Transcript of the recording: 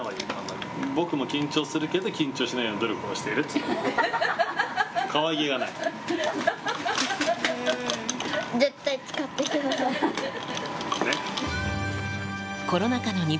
僕も緊張するけど、緊張しないように努力をしているって言うの。